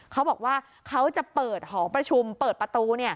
เขาบอกว่าเขาจะเปิดหอประชุมเปิดประตู